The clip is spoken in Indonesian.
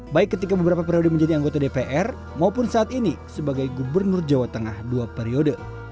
baik ketika beberapa periode menjadi anggota dpr maupun saat ini sebagai gubernur jawa tengah dua periode